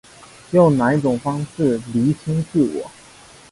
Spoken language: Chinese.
用哪一种方法厘清自我